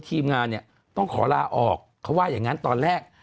ทีมงานเนี่ยต้องขอลาออกเขาว่าอย่างนั้นตอนแรก